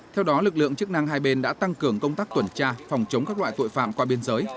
theo đó lực lượng chức năng hai bên đã tăng cường công tác tuần tra phòng chống các loại tội phạm qua biên giới